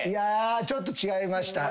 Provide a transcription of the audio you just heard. ちょっと違いました。